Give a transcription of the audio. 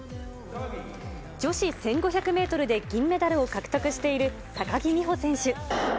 女子１５００メートルで銀メダルを獲得している高木美帆選手。